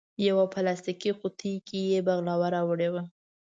یوه پلاستیکي قوتۍ کې بغلاوه راوړې وه.